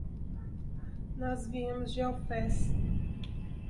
Nós viemos de Alfés.